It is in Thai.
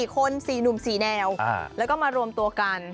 ๔คน๔หนุ่ม๔แนวแล้วก็มารวมตัวกัน